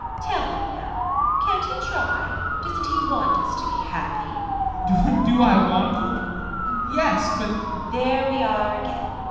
Tell me now? Can't he try? Doesn't he want us to be happy? ADOLPH. Do I want it? Yes, but TEKLA. There we are again!